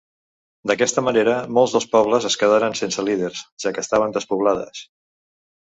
D'aquesta manera molts dels pobles es quedaren sense líders, ja que estaven despoblades.